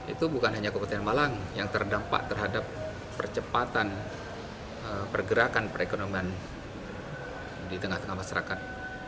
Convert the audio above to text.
itu bukan hanya kabupaten malang yang terdampak terhadap percepatan pergerakan perekonomian di tengah tengah masyarakat